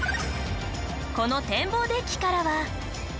この展望デッキからは。